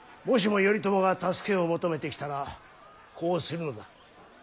もしも頼朝が助けを求めてきたらこうするのだ。